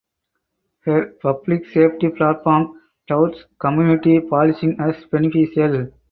Her public safety platform touts community policing as beneficial.